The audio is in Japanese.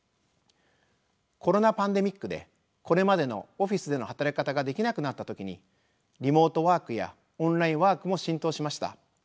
コロナ・パンデミックでこれまでのオフィスでの働き方ができなくなった時にリモートワークやオンラインワークも浸透しました。